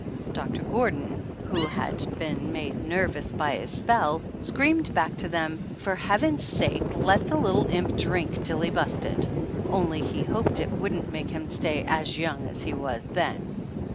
Doctor Gordon, who had been made nervous by his spell, screamed back to them for Heaven's sake let the little imp drink till he busted only he hoped it wouldn't make him stay as yowng as he was then!